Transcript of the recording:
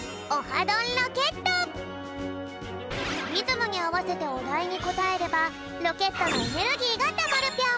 リズムにあわせておだいにこたえればロケットのエネルギーがたまるぴょん。